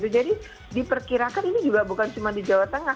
jadi diperkirakan ini juga bukan cuma di jawa tengah